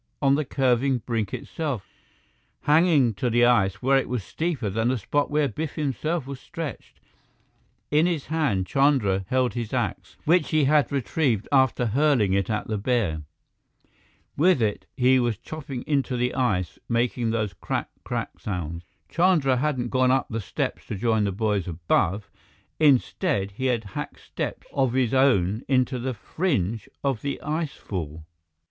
On the curving brink itself, hanging to the ice where it was steeper than the spot where Biff himself was stretched. In his hand, Chandra held his axe, which he had retrieved after hurling it at the bear. With it, he was chopping into the ice, making those "Crack crack " sounds. Chandra hadn't gone up the steps to join the boys above. Instead, he had hacked steps of his own into the fringe of the icefall!